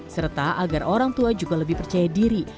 serta agar orang tua juga lebih percaya diri